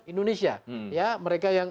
indonesia ya mereka yang